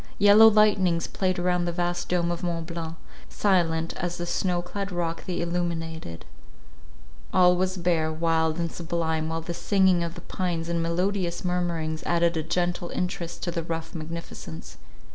Yellow lightnings played around the vast dome of Mont Blanc, silent as the snow clad rock they illuminated; all was bare, wild, and sublime, while the singing of the pines in melodious murmurings added a gentle interest to the rough magnificence.